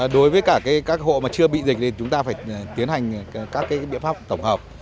đối với cả các hộ mà chưa bị dịch thì chúng ta phải tiến hành các biện pháp tổng hợp